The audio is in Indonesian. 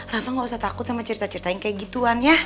rafa gak usah takut sama cerita cerita yang kayak gituan ya